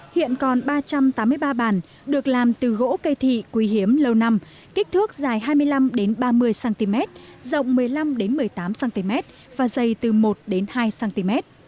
hiện còn ba trăm tám mươi ba bàn được làm từ gỗ cây thị quý hiếm lâu năm kích thước dài hai mươi năm ba mươi cm rộng một mươi năm một mươi tám cm và dày từ một hai cm